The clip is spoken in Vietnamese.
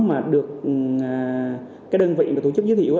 mà được đơn vị tổ chức giới thiệu